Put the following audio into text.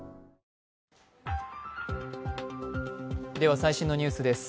最新のニュースです。